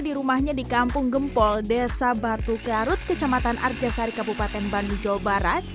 di rumahnya di kampung gempol desa batu garut kecamatan arjasari kabupaten bandung jawa barat